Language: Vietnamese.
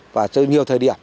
và cho nhiều thời điểm